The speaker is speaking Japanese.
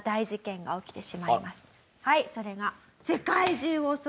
はいそれが。